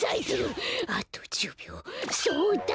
そうだ！